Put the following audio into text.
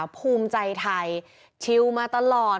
ภูมิใจไทยชิวมาตลอด